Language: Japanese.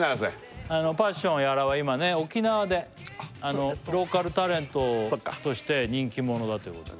パッション屋良は今沖縄でローカルタレントとして人気者だということです